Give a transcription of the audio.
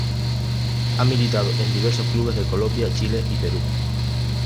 Ha militado en diversos clubes de Colombia, Chile y Perú.